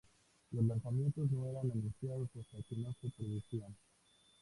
Los lanzamientos no eran anunciados hasta que no se producían.